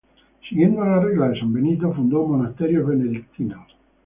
Siguiendo la regla de San Benito, fundó monasterios benedictinos.